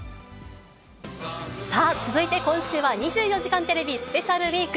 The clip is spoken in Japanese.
さあ、続いて今週は、２４時間テレビスペシャルウィーク。